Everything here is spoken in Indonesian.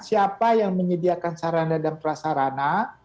siapa yang menyediakan sarana dan prasarana